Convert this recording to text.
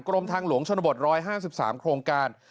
กรมทางหลวงชนบท๑๕๓โครงการ